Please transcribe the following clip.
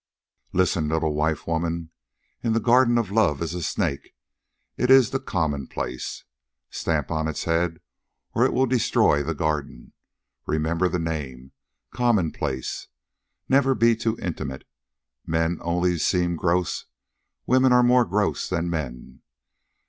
"Listen, little wife woman. In the garden of love is a snake. It is the commonplace. Stamp on its head, or it will destroy the garden. Remember the name. Commonplace. Never be too intimate. Men only seem gross. Women are more gross than men.